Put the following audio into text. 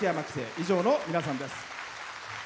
以上の皆さんです。